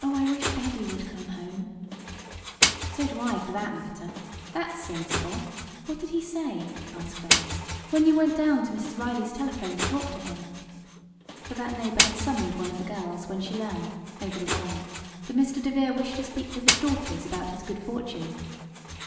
"Oh, I wish daddy would come home!" "So do I, for that matter. That's sensible. What did he say," asked Alice, "when you went down to Mrs. Reilley's telephone to talk to him?" For that neighbor had summoned one of the girls when she learned, over the wire, that Mr. DeVere wished to speak with his daughters about his good fortune.